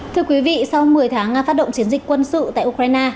thưa quý vị sau một mươi tháng nga phát động chiến dịch quân sự tại ukraine